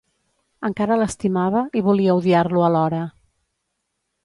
Encara l'estimava i volia odiar-lo alhora.